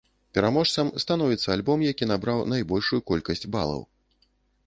Пераможцам становіцца альбом, які набраў найбольшую колькасць балаў.